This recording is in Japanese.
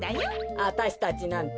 あたしたちなんて